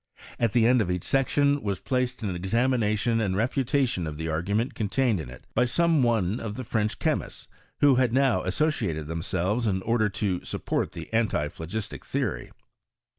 At the end of each section was placed an examina tion and refutation of the argument contained in it by some one of the French chemists, who had now as sociated themselves in order to support the antiphlo gistic theory.